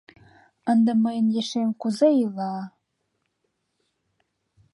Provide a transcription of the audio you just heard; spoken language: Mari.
Ынде мыйын ешем кузе ила?